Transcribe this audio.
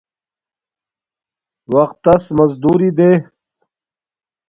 وقت تس مزدوری دے